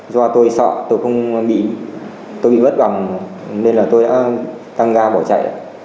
do tôi sợ tôi bị bất bằng nên là tôi đã tăng ga bỏ chạy